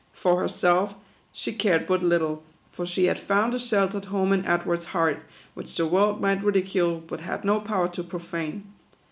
For herself, she cared but 64 THE QUADROONS. little ; for she had found a sheltered home in Edward's heart, which the world might ridicule, but had no power to profane.